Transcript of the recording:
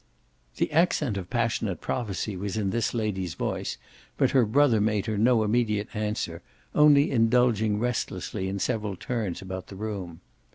The accent of passionate prophecy was in this lady's voice, but her brother made her no immediate answer, only indulging restlessly in several turns about the room.